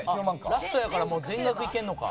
ラストやからもう全額いけるのか。